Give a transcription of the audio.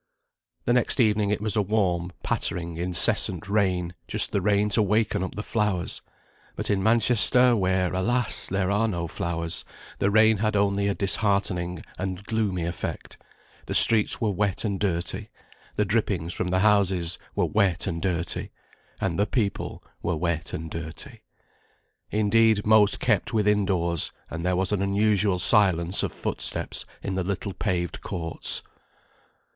The next evening it was a warm, pattering, incessant rain, just the rain to waken up the flowers. But in Manchester, where, alas! there are no flowers, the rain had only a disheartening and gloomy effect; the streets were wet and dirty, the drippings from the houses were wet and dirty, and the people were wet and dirty. Indeed, most kept within doors; and there was an unusual silence of footsteps in the little paved courts.